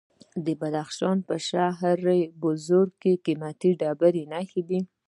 د بدخشان په شهر بزرګ کې د قیمتي ډبرو نښې دي.